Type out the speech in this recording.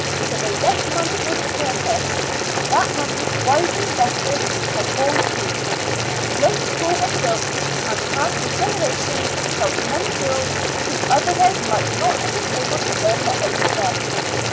So they left money for the purpose, and that money, wisely invested, has borne fruit. The great school was built, and has for generations helped many girls who otherwise might not have been able to earn their own bread.